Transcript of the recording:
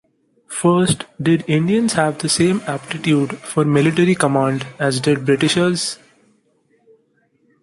First, did Indians have the same aptitude for military command as did Britishers?